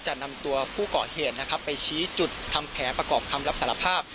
จะนำตัวผู้ก่อเหตุนะครับไปชี้จุดทำแผนประกอบคำรับสารภาพ